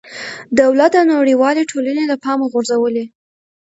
دولت او نړېوالې ټولنې له پامه غورځولې.